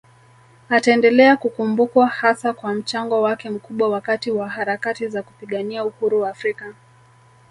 Ataendelea kukumbukwa hasa kwa mchango wake mkubwa wakati wa harakati za kupigania uhuru Afrika